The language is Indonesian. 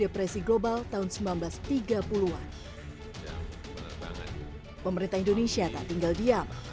pemerintah indonesia tak tinggal diam